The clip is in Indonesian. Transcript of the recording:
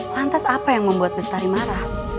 lantas apa yang membuat bestari marah